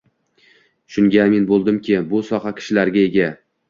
Shunga amin bo‘ldimki, bu soha kishilari ega.